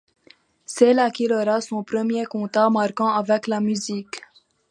C'est là qu'il aura son premier contact marquant avec la musique.